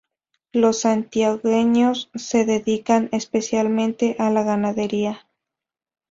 Los santiagueños se dedican especialmente a la ganadería.